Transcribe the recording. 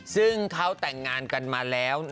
ซึ่งเขาแต่งงานกันมาแล้ว